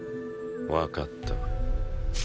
わかった。